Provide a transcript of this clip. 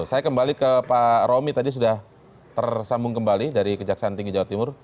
saya kembali ke pak romi tadi sudah tersambung kembali dari kejaksaan tinggi jawa timur